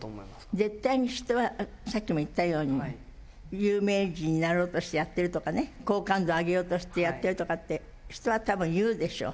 絶対に、人は、さっきも言ったように、有名人になろうとしてやってるとかね、好感度上げようとしてやってるとかって、人はたぶん言うでしょう。